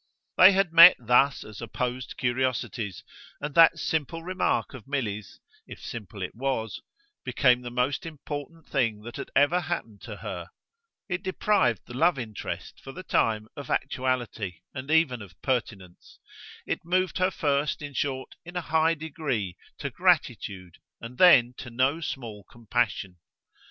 They had met thus as opposed curiosities, and that simple remark of Milly's if simple it was became the most important thing that had ever happened to her; it deprived the love interest, for the time, of actuality and even of pertinence; it moved her first, in short, in a high degree, to gratitude, and then to no small compassion.